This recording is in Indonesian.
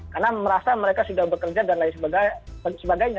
karena merasa mereka sudah bekerja dan lain sebagainya